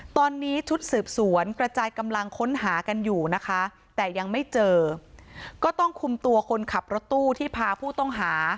ตอนนี้ชุดสืบสวนกระจายกำลังค้นหากันอยู่นะคะแต่ยังไม่เจอก็ต้องคุมตัวคนขับรถตู้ที่พาผู้ต้องหา